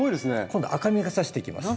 今度は赤みがさしてきます。